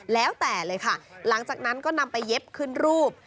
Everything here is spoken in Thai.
แล้วแต่เลยค่ะหลังจากนั้นก็นำไปเย็บขึ้นรูป